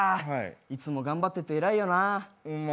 いつも頑張っててえらいよな。